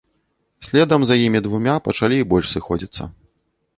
Следам за імі двума пачалі і больш сыходзіцца.